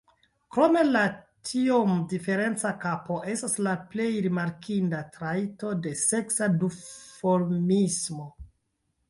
Krome la tiom diferenca kapo estas la plej rimarkinda trajto de seksa duformismo.